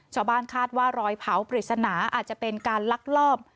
ชาวบ้านคาดว่ารอยเผาปริศนาอาจจะเป็นการลักลอบ